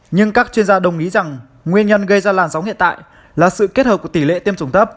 nhưng các chuyên gia đồng ý rằng nguyên nhân gây ra làn sóng hiện tại là sự kết hợp của tỷ lệ tiêm chủng thấp